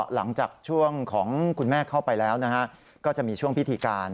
หลังจากช่วงของคุณแม่เข้าไปแล้วก็จะมีช่วงพิธีการ